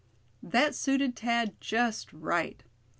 That suited Thad just right.